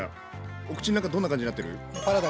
お口ん中どんな感じになってる？